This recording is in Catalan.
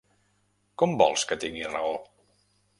Com vols que tingui raó?